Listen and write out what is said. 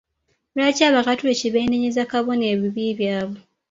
Lwaki abakatoliki beenenyeza Kabona ebibi byabwe?